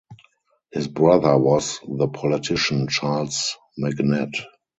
His brother was the politician Charles Magnette.